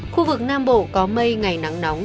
khu vực nam bộ có mây ngày nắng nóng